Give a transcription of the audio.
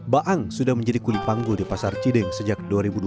baang sudah menjadi kuli panggul di pasar cideng sejak dua ribu dua belas